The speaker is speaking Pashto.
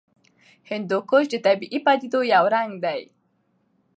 هندوکش د طبیعي پدیدو یو رنګ دی.